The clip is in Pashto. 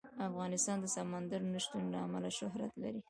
افغانستان د سمندر نه شتون له امله شهرت لري.